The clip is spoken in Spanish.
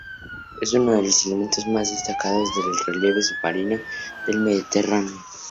Es una de los elementos más destacados del relieve submarino del Mediterráneo.